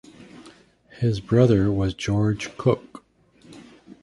His brother was George Cook.